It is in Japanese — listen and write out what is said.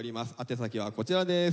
宛先はこちらです。